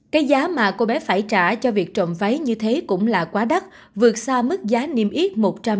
cái giá mà cô bé phải trả cho việc trộm váy như thế cũng là quá đắt vượt xa mức giá niêm yết một trăm linh